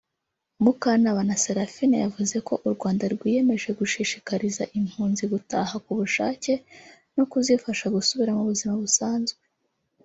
Mukantabana Seraphine yavuze ko u Rwanda rwiyemeje gushishikariza impunzi gutahuka ku bushake no kuzifasha gusubira mu buzima busanzwe